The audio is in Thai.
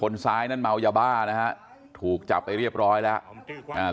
ซ้ายนั้นเมายาบ้านะฮะถูกจับไปเรียบร้อยแล้วอ่า